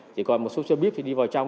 chỉ còn một số xe buýt thì đi vào trong